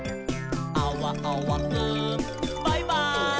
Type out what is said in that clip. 「アワアワくんバイバイ」